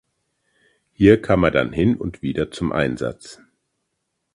Hier kam er dann hin und wieder zum Einsatz.